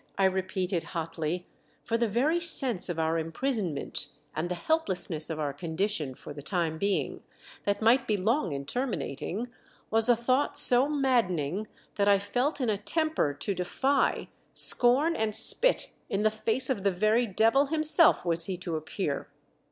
I repeated, hotly, for the very sense of our imprisonment and the helplessness of our condition for the time being, that might be long in terminating, was a thought so maddening that I felt in a temper to defy, scorn and spit in the face of the very Devil himself, was he to appear.